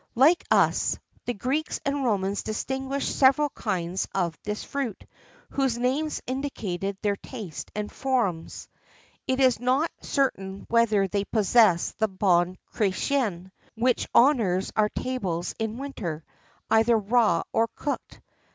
[XIII 17] Like us, the Greeks and Romans distinguished several kinds of this fruit, whose names indicated their taste and forms. It is not certain whether they possessed the Bon Chrétien, which honours our tables in winter, either raw or cooked.